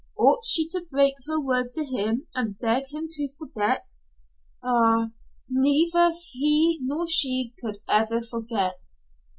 Ought she to break her word to him and beg him to forget? Ah! Neither he nor she could ever forget.